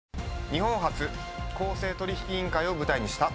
日本初公正取引委員会を舞台にした。